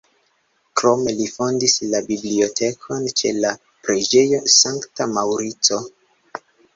Krome li fondis la bibliotekon ĉe la preĝejo Sankta Maŭrico.